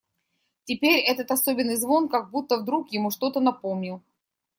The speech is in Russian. Теперь этот особенный звон как будто вдруг ему что-то напомнил.